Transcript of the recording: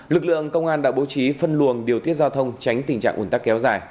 lực lượng công an đã bố trí phân luồng điều tiết giao thông tránh tình trạng ủn tắc kéo dài